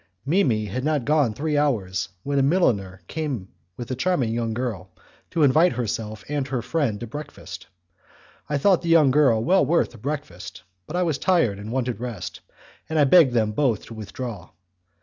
Mimi had not been gone three hours when a milliner came with a charming young girl, to invite herself and her friend to breakfast; I thought the young girl well worth a breakfast, but I was tired and wanted rest, and I begged them both to withdraw.